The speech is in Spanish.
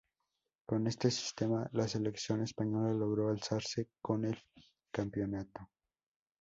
Con este sistema la Selección Española logró alzarse con el campeonato.